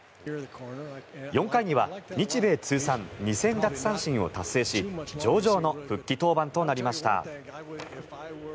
４回には日米通算２０００奪三振を達成し上々の復帰登板となりました。